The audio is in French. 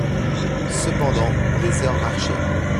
Cependant les heures marchaient.